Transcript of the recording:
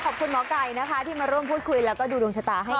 ขอบคุณหมอไก่นะคะที่มาร่วมพูดคุยแล้วก็ดูดวงชะตาให้